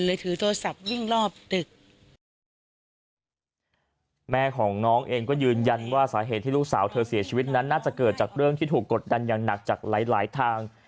ถือโทรศัพท์วิ่งรอบตึกแม่ของน้องเองก็ยืนยันว่าสาเหตุที่ลูกสาวเธอเสียชีวิตนั้นน่าจะเกิดจากเรื่องที่ถูกกดดันอย่างหนักจากหลายหลายทาง